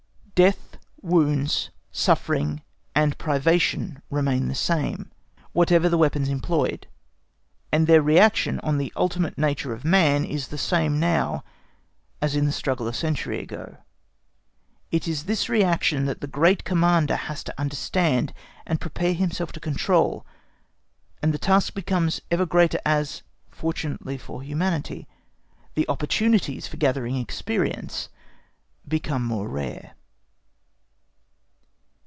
Death, wounds, suffering, and privation remain the same, whatever the weapons employed, and their reaction on the ultimate nature of man is the same now as in the struggle a century ago. It is this reaction that the Great Commander has to understand and prepare himself to control; and the task becomes ever greater as, fortunately for humanity, the opportunities for gathering experience become more rare.